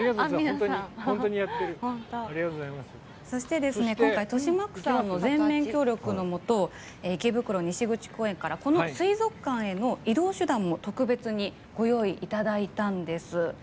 そして、今回豊島区さんの全面協力のもと池袋西口公園から水族館への移動手段も特別にご用意いただいたんです。